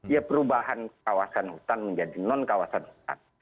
ya perubahan kawasan hutan menjadi non kawasan hutan